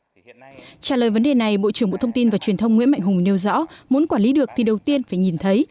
trả lời vấn đề này bộ trưởng bộ thông tin và truyền thông nguyễn mạnh hùng nêu rõ muốn quản lý được thì đầu tiên phải nhìn thấy